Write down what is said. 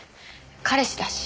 彼氏だし。